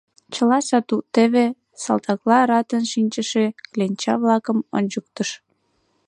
— Чыла сату — теве! — салтакла ратын шинчыше кленча-влакым ончыктыш.